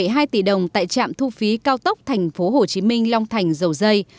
sau vụ cướp hai hai tỷ đồng tại trạm thu phí cao tốc tp hcm long thành dầu dây